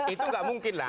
itu nggak mungkin lah